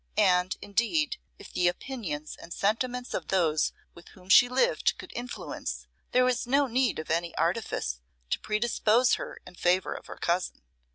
And, indeed, if the opinions and sentiments of those with whom she lived could influence, there was no need of any artifice to predispose her in favour of her cousin.